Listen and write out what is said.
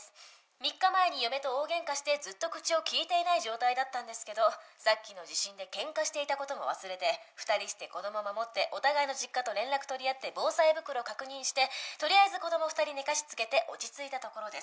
「３日前に嫁と大喧嘩してずっと口をきいてない状態だったんですけどさっきの地震で喧嘩していた事も忘れて２人して子供守ってお互いの実家と連絡取り合って防災袋確認してとりあえず子供２人寝かしつけて落ち着いたところです」